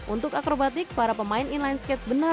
untuk akrobatik selalu mengandalkan keseimbangan